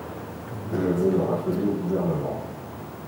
Je veux le rappeler au Gouvernement